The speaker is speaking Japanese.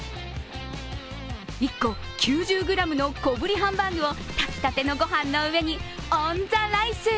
１個９０ｇの小ぶりハンバーグを炊きたての御飯の上にオン・ザ・ライス。